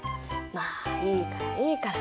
まあいいからいいから。